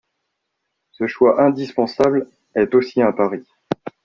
Ce choix indispensable est aussi un pari.